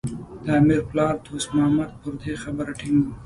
د امیر پلار دوست محمد پر دې خبره ټینګ و.